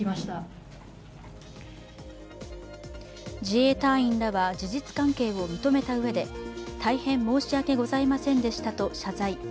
自衛隊員らは事実関係を認めたうえで大変申し訳ございませんでしたと謝罪。